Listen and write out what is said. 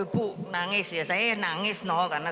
ibu risma kalau datang ke saya